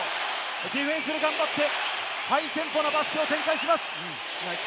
ディフェンスで頑張ってハイテンポなバスケを展開します。